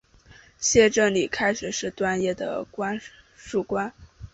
谢正礼开始是段业的属官。